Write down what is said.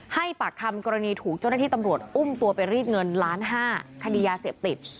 ให้ปากคำกรณีถูกเจ้าหน้าที่ตำรวจอุ้มตัวไปรีดเงินล้านห้าคดียาเสพติด